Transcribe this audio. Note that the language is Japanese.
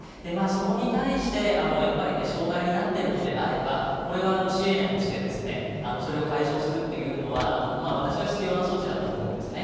そこに対して障害になっているのであればこれは支援をしてそれを解消するっていうのは私は必要な措置だと思うんですね。